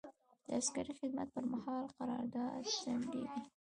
د عسکري خدمت پر مهال قرارداد ځنډیږي.